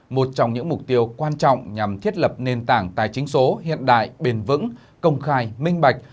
một trong những mục tiêu quan trọng nhằm thiết lập nền tảng tài chính số hiện đại bền vững công khai minh bạch